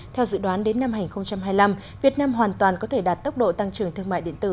theo dự đoán đến năm hai nghìn hai mươi năm việt nam hoàn toàn có thể đạt tốc độ tăng trưởng thương mại điện tử